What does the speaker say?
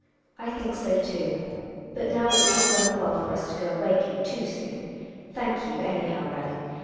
GiNA. I think so, too. But now it's not worth while for us to go and wake him too soon. Thank you, anyhow, Relling.